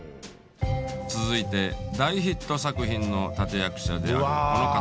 続いて大ヒット作品の立て役者であるこの方。